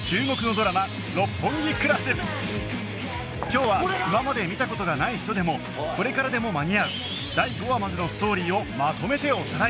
今日は今まで見た事がない人でもこれからでも間に合う第５話までのストーリーをまとめておさらい！